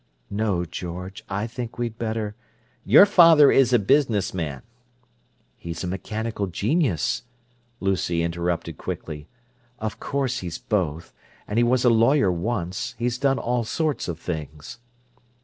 "No, George. I think we'd better—" "Your father is a business man—" "He's a mechanical genius," Lucy interrupted quickly. "Of course he's both. And he was a lawyer once—he's done all sorts of things."